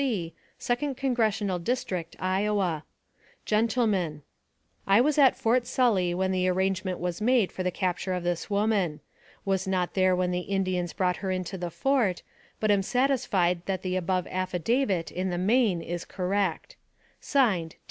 C., Second Congressional District, Iowa : GENTLEMEN : I was at Fort Sully when the arrangement was made for the capture of this woman. Was not there when the Indians brought her into the fort; but am satisfied that the above affidavit, in the main, is cor rect. (Signed.)